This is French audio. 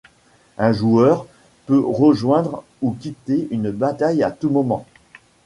Un joueur peut rejoindre ou quitter une bataille à tout moment.